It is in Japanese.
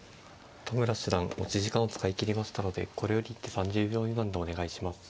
田村七段持ち時間を使い切りましたのでこれより一手３０秒未満でお願いします。